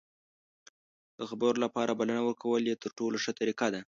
د خبرو لپاره بلنه ورکول یې تر ټولو ښه طریقه ده.